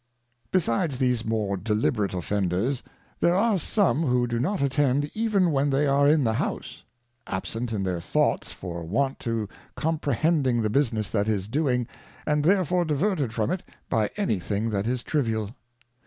Besides these more deliberate Offenders, there are some who do not Attend even when they are in the House ; absent in their Thoughts for want of Comprehending the Business that is doing, and therefore diverted from it by any thing that is Trivial.